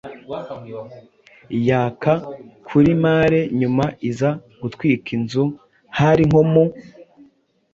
yaka kuri mare nyuma iza gutwika inzu hari nko mu